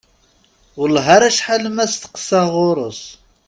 Wellah ar acḥal ma steqsaɣ ɣur-s.